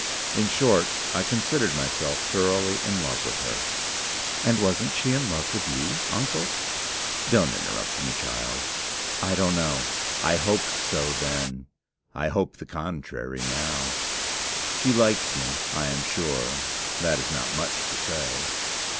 In short, I considered myself thoroughly in love with her." "And wasn't she in love with you, uncle?" "Don't interrupt me, child. I don't know. I hoped so then. I hope the contrary now. She liked me I am sure. That is not much to say.